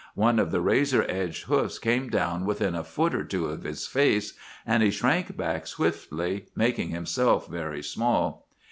One of the razor edged hoofs came down within a foot or two of his face, and he shrank back swiftly, making himself very small.